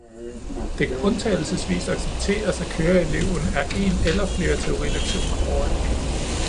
Det kan undtagelsesvist accepteres, at køreeleven er en eller flere teorilektioner foran